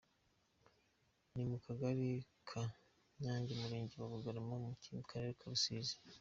Ni mu Kagari ka Nyange, Umurenge wa Bugarama mu Karere ka Rusizi.